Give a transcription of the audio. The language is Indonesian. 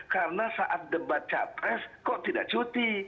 karena saat debat capres kok tidak cuti